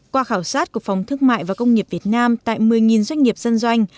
qua khảo sát của phòng thương mại và công nghiệp việt nam tại một mươi doanh nghiệp dân doanh